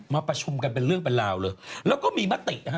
แล้วจะรู้ได้ไหม